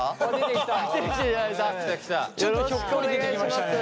ちょっとひょっこり出てきましたね。